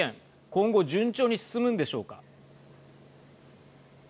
今後、順調に進むんでしょうか。